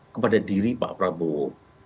kepada diri pak prabowo